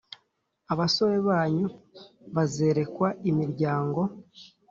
Abasore banyu bazerekwa imiryango.